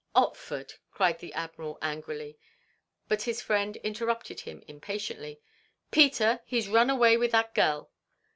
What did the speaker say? "Otford!" cried the Admiral, angrily; but his friend interrupted him impatiently. "Peter! He 's run away with that gel!"